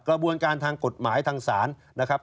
กระบวนการทางกฎหมายทางศาลนะครับ